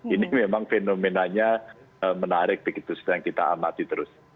ini memang fenomenanya menarik begitu sedang kita amati terus